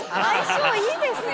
相性いいですよ。